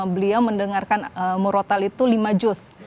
beliau mendengarkan murotal itu lima juz